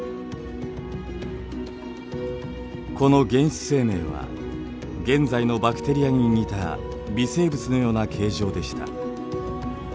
この原始生命は現在のバクテリアに似た微生物のような形状でした。